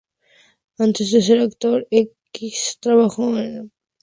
Antes de ser actor, Erickson trabajó en una banda cantando y tocando el trombón.